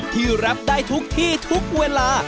ที่รับได้ทุกที่ทุกเวลา